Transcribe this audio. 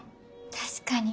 確かに。